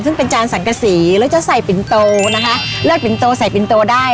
ซึ่งเป็นจานสังกษีแล้วจะใส่ปินโตนะคะเลือดปินโตใส่ปินโตได้